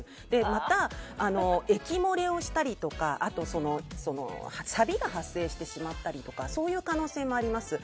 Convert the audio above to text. また、液漏れをしたりさびが発生してしまったりそういう可能性もあります。